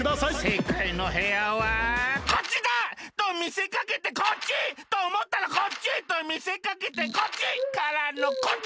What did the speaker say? せいかいの部屋はこっちだ！とみせかけてこっち！とおもったらこっち！とみせかけてこっち！からのこっちだ！